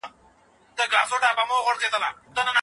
هغه کلتور چی معنوي اړخ لري ټولنه پياوړي کوي.